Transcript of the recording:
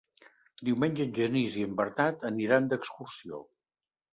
Diumenge en Genís i en Bernat aniran d'excursió.